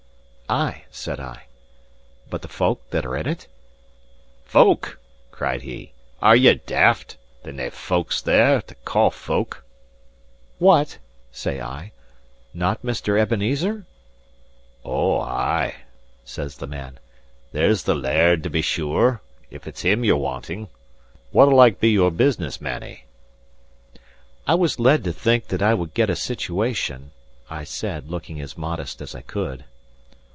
"Ay," said I, "but the folk that are in it?" "Folk?" cried he. "Are ye daft? There's nae folk there to call folk." "What?" say I; "not Mr. Ebenezer?" "Ou, ay" says the man; "there's the laird, to be sure, if it's him you're wanting. What'll like be your business, mannie?" "I was led to think that I would get a situation," I said, looking as modest as I could.